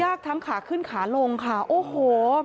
ทั้งขาขึ้นขาลงค่ะโอ้โห